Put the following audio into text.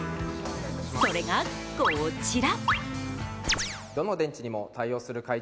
それがこちら。